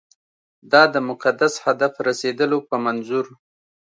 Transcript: دا د مقدس هدف رسېدلو په منظور.